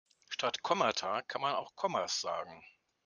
Statt Kommata kann man auch Kommas sagen.